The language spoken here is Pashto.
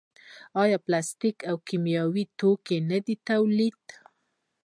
آیا پلاستیک او کیمیاوي توکي نه تولیدوي؟